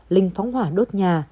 linh phóng hỏa đốt nhà